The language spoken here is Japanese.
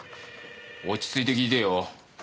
落ち着いて聞いてよ。